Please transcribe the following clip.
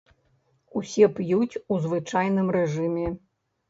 Усе п'юць у звычайным рэжыме.